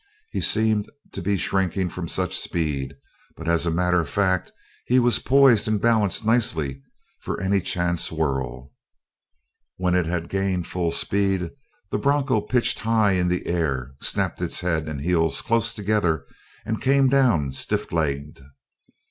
He seemed to be shrinking from such speed, but as a matter of fact he was poised and balanced nicely for any chance whirl. When it had gained full speed the broncho pitched high in the air, snapped its head and heels close together, and came down stiff legged.